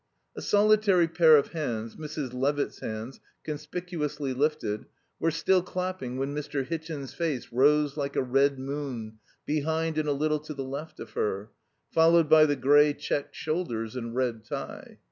A solitary pair of hands, Mrs. Levitt's hands, conspicuously lifted, were still clapping when Mr. Hitchin's face rose like a red moon behind and a little to the left of her; followed by the grey check shoulders and red tie.